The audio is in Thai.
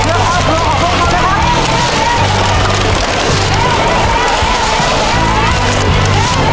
นี่คือทางละกิดที่๗นาที